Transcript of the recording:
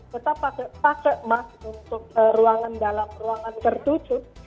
kita pakai mask untuk ruangan dalam ruangan tertutup